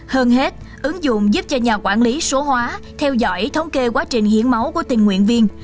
hơn hết ứng dụng giúp cho nhà quản lý số hóa theo dõi thống kê quá trình hiến máu của tình nguyện viên